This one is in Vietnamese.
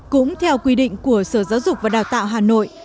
cũng theo quy định của sở giáo dục và đào tạo hà nội